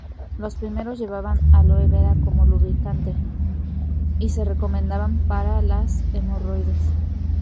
Los primeros llevaban aloe vera como lubricante y se recomendaban para las hemorroides.